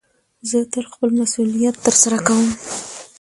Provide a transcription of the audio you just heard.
زه تل خپل مسئولیت ترسره کوم.